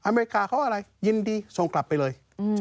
อเมริกาเขาอะไรยินดีส่งกลับไปเลย